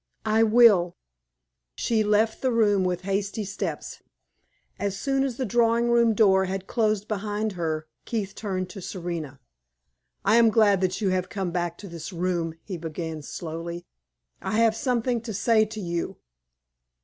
"I will." She left the room with hasty steps. As soon as the drawing room door had closed behind her, Keith turned to Serena. "I am glad that you have come back to this room," he began, slowly. "I have something to say to you.